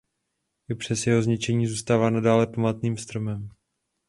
I přes jeho zničení zůstává nadále památným stromem.